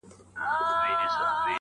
ستا سترگي فلسفې د سقراط راته وايي,